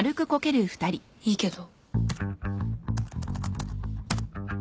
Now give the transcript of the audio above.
いいけど。